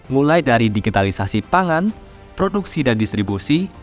mulai dari digitalisasi pangan produksi dan distribusi